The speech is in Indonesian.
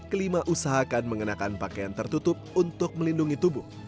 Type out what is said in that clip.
kelima usahakan mengenakan pakaian tertutup untuk melindungi tubuh